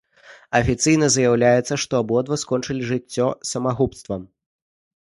Афіцыйна заяўлялася, што абодва скончылі жыццё самагубствам.